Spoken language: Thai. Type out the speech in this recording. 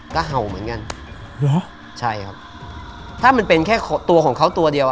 ก็เห่าเหมือนกันเหรอใช่ครับถ้ามันเป็นแค่ตัวของเขาตัวเดียวอ่ะ